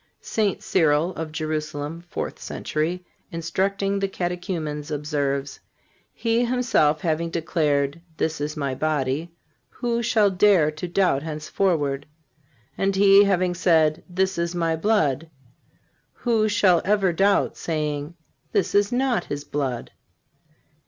St. Cyril, of Jerusalem (fourth century), instructing the Catechumens, observes: "He Himself having declared, This is My body, who shall dare to doubt henceforward? And He having said, This is My blood, who shall ever doubt, saying: This is not His blood?